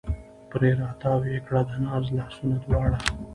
پرې را تاو یې کړه د ناز لاسونه دواړه